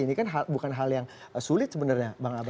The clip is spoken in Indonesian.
ini kan bukan hal yang sulit sebenarnya